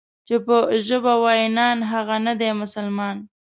چې په ژبه وای نان، هغه نه دی مسلمان.